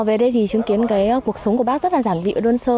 về đây thì chứng kiến cái cuộc sống của bác rất là giản vị và đơn sơ